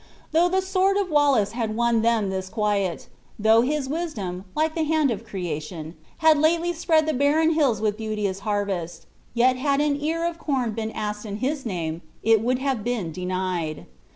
Though the sword of Wallace had won them this quiet, though his wisdom, like the hand of Creation, had spread the lately barren hills with beauteous harvest, yet had an ear of corn been asked in his name, it would have been denied.